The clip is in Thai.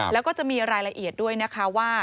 แล้วก็จะมีรายละเอียดด้วยนะคะว่า